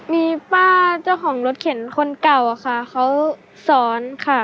มีป้าเจ้าของรถเข็นคนเก่าค่ะเขาสอนค่ะ